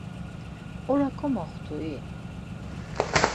Ora komoxtu-i?